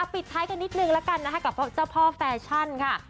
ปิดท้ายกันนิดนึงแล้วกันนะคะกับเจ้าพ่อแฟชั่นค่ะ